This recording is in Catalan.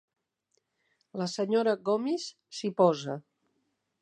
La senyora Gomis s'hi posa.